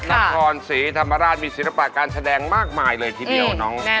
นครศรีธรรมราชมีศิลปะการแสดงมากมายเลยทีเดียวน้อง